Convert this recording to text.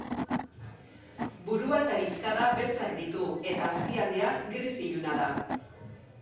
Burua eta bizkarra beltzak ditu eta azpialdea gris iluna da.